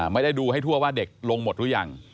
ไม่ได้ดูให้ทั่วว่าเด็กลงหมดหรือยัง